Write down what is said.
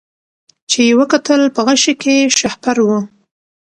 چي یې وکتل په غشي کي شهپر وو